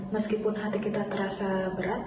meskipun hati kita terasa berat